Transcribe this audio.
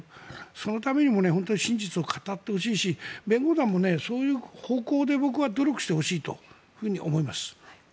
そのためにも本当に真実を語ってほしいし弁護団もそういう方向で僕は努力してほしいと思います。